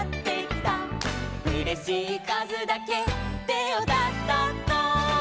「うれしいかずだけてをたたこ」